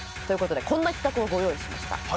という事でこんな企画をご用意しました。